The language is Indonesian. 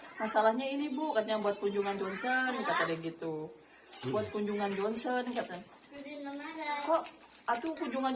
ini masalahnya ini bukatnya buat kunjungan johnson